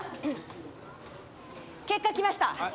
結果来ました。